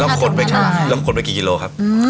ร่ำขนไปกี่กิโลครับ